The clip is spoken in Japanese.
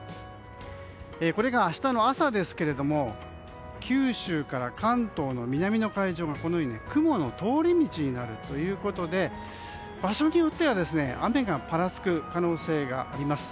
これが明日の朝ですけれども九州から関東の南の海上が雲の通り道になるということで場所によっては雨がぱらつく可能性があります。